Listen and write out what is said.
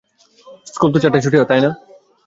School তো চারটার সময় ছুটি হয় না?